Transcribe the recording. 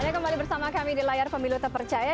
ada kembali bersama kami di layar pemilu tak percaya